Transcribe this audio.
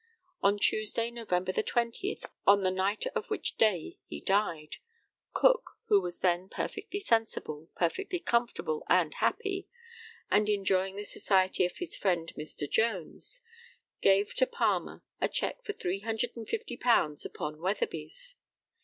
On Tuesday, November the 20th, on the night of which day he died, Cook, who was then perfectly sensible, perfectly comfortable and happy, and enjoying the society of his friend Mr. Jones, gave to Palmer a cheque for £350 upon Weatherby's.